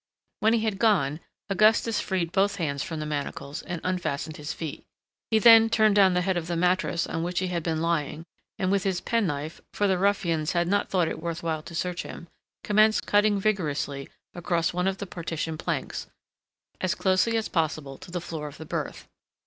When he had gone, Augustus freed both hands from the manacles and unfastened his feet. He then turned down the head of the mattress on which he had been lying, and with his penknife (for the ruffians had not thought it worth while to search him) commenced cutting vigorously across one of the partition planks, as closely as possible to the floor of the berth.